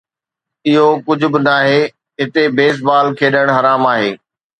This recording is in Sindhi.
اهو ڪجهه به ناهي، هتي بيس بال کيڏڻ حرام آهي